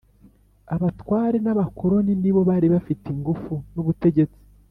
abatware n' abakoloni nibo bari bafite ingufu n' ubutegetsi,